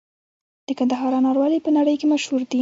د کندهار انار ولې په نړۍ کې مشهور دي؟